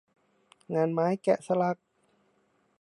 งานไม้แกะสลัก